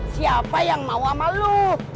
siapa yang mau sama lu